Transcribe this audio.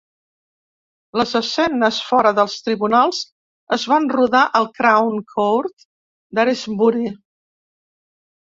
Les escenes fora dels tribunals es van rodar al Crown Court d'Aysbury.